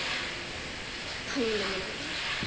頼んでもないのに。